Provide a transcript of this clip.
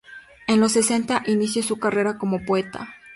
En los sesenta inició su carrera como poeta.